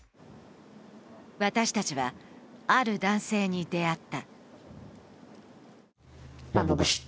私たちは、ある男性に出会った。